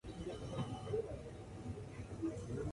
Además impulsó la aprobación del año de Octavio Paz en el Congreso.